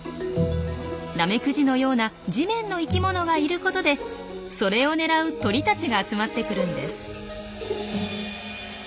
ナメクジのような地面の生きものがいることでそれを狙う鳥たちが集まってくるんです。